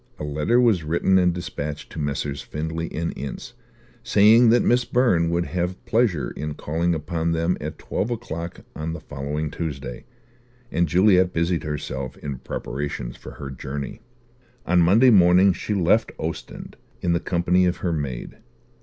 A letter was written and dispatched to Messrs. Findlay & Ince, saying that Miss Byrne would have pleasure in calling upon them at twelve o'clock on the following Tuesday; and Juliet busied herself in preparations for her journey. On Monday morning she left Ostend, in the company of her maid.